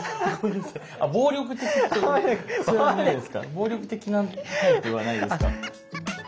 暴力的なタイプはないですか。